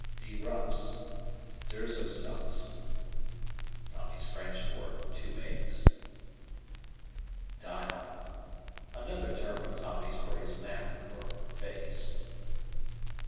"Deruffs." "Deuxosufs." Tommy's French for "two eggs." "Dial." Another term of Tommy's for his map, or face.